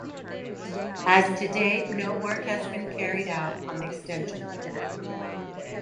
As to date no work has been carried out on the extension plan.